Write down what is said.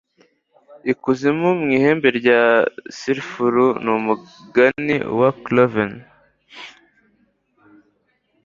ikuzimu mu ihembe rya sulfuru n'umugani wa cloven